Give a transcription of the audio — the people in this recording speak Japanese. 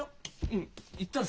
うん。